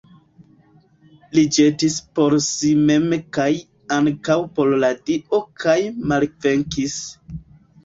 Li ĵetis por si mem kaj ankaŭ por la dio kaj malvenkis.